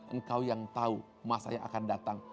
engkau yang tahu masa yang akan datang